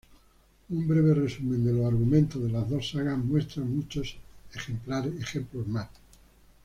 Un breve resumen de los argumentos de las dos sagas muestra muchos ejemplos más.